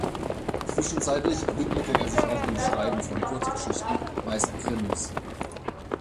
Zwischenzeitlich widmete er sich auch dem Schreiben von Kurzgeschichten, meist Krimis.